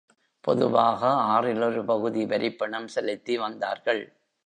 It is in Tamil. பொதுவாக ஆறில் ஒரு பகுதி வரிப்பணம் செலுத்தி வந்தார்கள்.